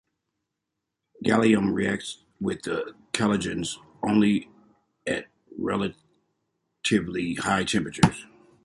Gallium reacts with the chalcogens only at relatively high temperatures.